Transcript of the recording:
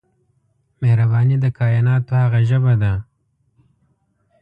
مهرباني د کایناتو هغه ژبه ده